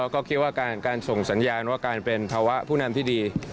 ก็คิดว่าการส่งสัญญาณว่าการเป็นภาวะผู้นำที่ดี